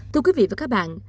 thưa quý vị và các bạn